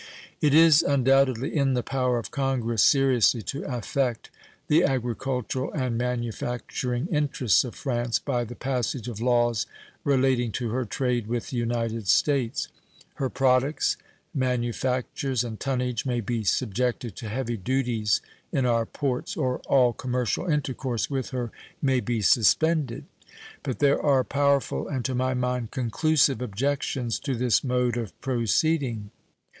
It is undoubtedly in the power of Congress seriously to affect the agricultural and manufacturing interests of France by the passage of laws relating to her trade with the United States. Her products, manufactures, and tonnage may be subjected to heavy duties in our ports, or all commercial intercourse with her may be suspended. But there are powerful and to my mind conclusive objections to this mode of proceeding.